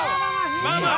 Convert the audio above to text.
まあまあ。